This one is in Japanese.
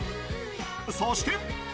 そして。